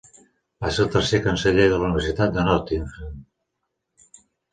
Va ser el tercer canceller de la Universitat de Nottingham.